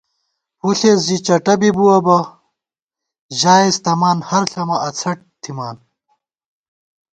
پݪ زی چٹہ بِبُوَہ بہ، ژائیس تمان، ہر ݪمہ اڅھٹ تھِمان